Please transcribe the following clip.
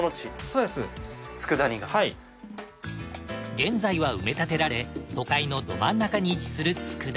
現在は埋め立てられ都会のど真ん中に位置する佃。